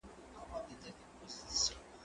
هغه څوک چي فکر کوي هوښيار وي!؟